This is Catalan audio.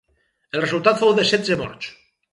El resultat fou de setze morts.